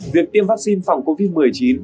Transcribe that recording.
việc tiêm vắc xin phòng covid một mươi chín